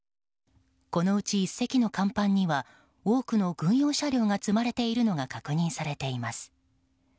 このうち１隻の甲板には多くの軍用車両が積まれているのが確認されています。